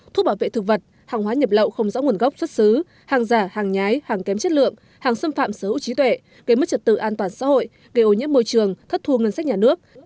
thuốc bảo vệ thực vật hàng hóa nhập lậu không rõ nguồn gốc xuất xứ hàng giả hàng nhái hàng kém chất lượng hàng xâm phạm sở hữu trí tuệ gây mất trật tự an toàn xã hội gây ô nhiễm môi trường thất thu ngân sách nhà nước